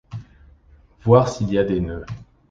voir s’il y a des nœuds !